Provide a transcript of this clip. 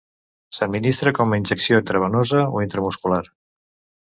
S'administra com a injecció intravenosa o intramuscular.